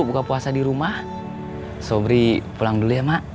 buka puasa di rumah sobri pulang dulu ya mak